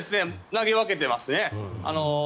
投げ分けていますね。